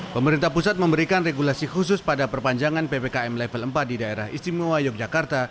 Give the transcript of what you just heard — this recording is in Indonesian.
pemerintah pusat memberikan regulasi khusus pada perpanjangan ppkm level empat di daerah istimewa yogyakarta